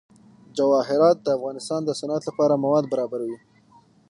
جواهرات د افغانستان د صنعت لپاره مواد برابروي.